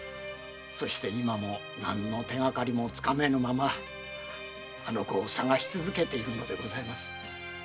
そして今も何の手がかりも掴めぬままあの子を探し続けているのでございます。